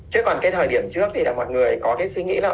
chứ còn cái thời điểm trước thì là mọi người có cái suy nghĩ là